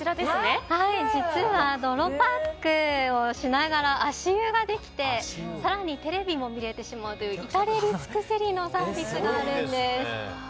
泥パックをしながら足湯ができて、更にテレビも見られてしまうという至れり尽くせりのサービスがあるんです。